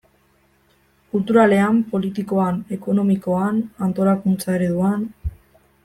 Kulturalean, politikoan, ekonomikoan, antolakuntza ereduan...